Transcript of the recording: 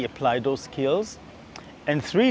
dan tiga ada alam ini